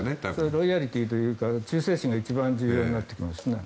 ロイヤリティーというか忠誠心が一番重要になってきますね。